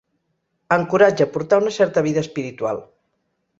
Encoratja a portar una certa vida espiritual.